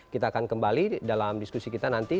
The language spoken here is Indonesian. kita akan kembali dalam diskusi kita nanti